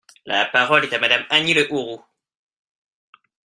La parole est à Madame Annie Le Houerou.